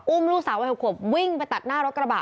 ลูกสาววัย๖ขวบวิ่งไปตัดหน้ารถกระบะ